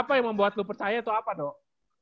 apa yang membuat lu percaya atau apa dok